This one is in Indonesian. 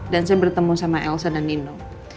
dan saya bertemu sama elsa dan nino